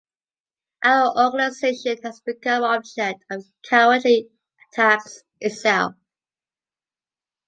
Our Organization has become the object of cowardly attacks itself.